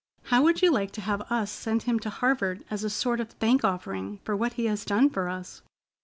How would you like to have us send him to Harvard as a sort of thank offering for what he has done for us?"